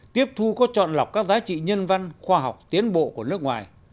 tiếp thu có chọn lọc các giá trị nhân văn khoa học tiến bộ của nước ngoài